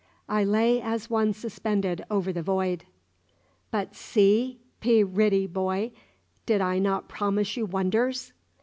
I lay as one suspended over the void. "But see, pe ritty boy! did I not promise you wonders?"